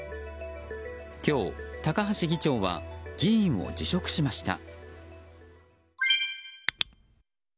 今日、高橋議長は議員を辞職しました。